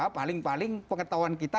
paling paling pengetahuan kita